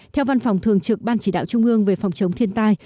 theo văn phòng thường trực ban chỉ đạo trung ương về phòng chống thiên tai